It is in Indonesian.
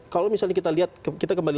kalau misalnya kita lihat kita kembali